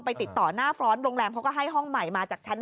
ติดต่อหน้าฟ้อนต์โรงแรมเขาก็ให้ห้องใหม่มาจากชั้น๒